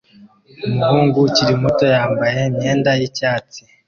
Umuhungu ukiri muto yambaye imyenda yicyatsi